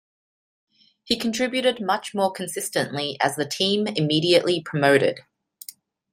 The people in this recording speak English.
He contributed much more consistently as the team immediately promoted.